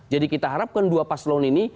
jadi kita harapkan dua paslon ini